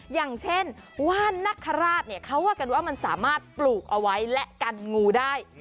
อย่างเช่นว่านนคราชเนี่ยเขาว่ากันว่ามันสามารถปลูกเอาไว้และกันงูได้